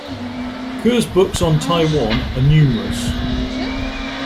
Kerr's books on Taiwan are numerous.